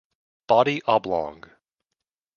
Body oblong.